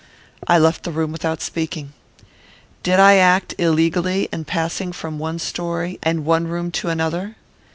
I left the room without speaking. Did I act illegally in passing from one story and one room to another?